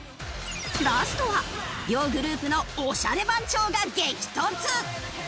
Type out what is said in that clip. ラストは両グループのオシャレ番長が激突！